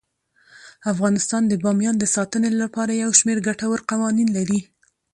افغانستان د بامیان د ساتنې لپاره یو شمیر ګټور قوانین لري.